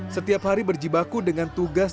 setiap hari berjibaku dengan tugas